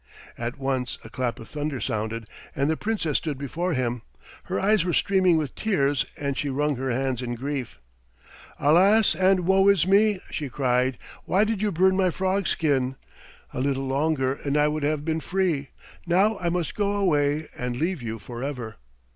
At once a clap of thunder sounded, and the Princess stood before him. Her eyes were streaming with tears, and she wrung her hands in grief. "Alas and woe is me!" she cried. "Why did you burn my frog skin? A little longer, and I would have been free. Now I must go away and leave you forever."